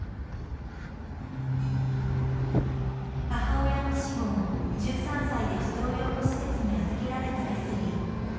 母親の死後１３歳で児童養護施設に預けられたレスリー。